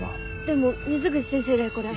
でも水口先生だよこれ。